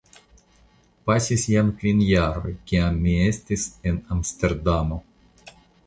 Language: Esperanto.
Pasis jam kvin jaroj, kiam mi estis en Amsterdamo.